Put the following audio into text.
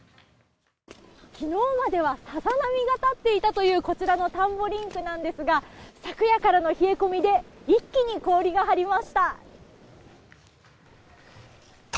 昨日まではさざ波が立っていたというこちらの田んぼリンクなんですが昨夜からの冷え込みで一気に氷が張りました。